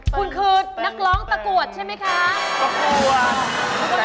คุณคือนักร้องตะกรวดใช่ไหมคะ